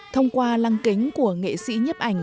thông qua lăng kính của nghệ sĩ nhếp ảnh